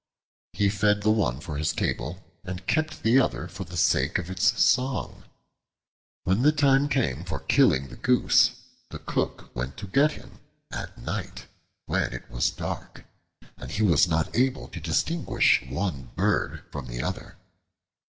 He fed the one for his table and kept the other for the sake of its song. When the time came for killing the Goose, the cook went to get him at night, when it was dark, and he was not able to distinguish one bird from the other.